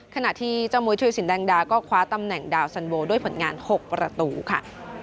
ขณะที่เจ้ามวยธุรสินแดงดาก็คว้าตำแหน่งดาวสันโวด้วยผลงาน๖ประตูค่ะ